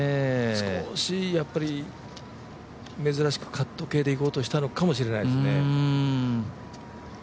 少し、珍しくカット系でいこうとしたのかもしれないですね。